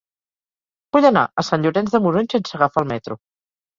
Vull anar a Sant Llorenç de Morunys sense agafar el metro.